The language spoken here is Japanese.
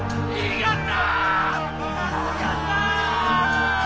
やった！